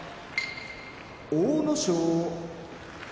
阿武咲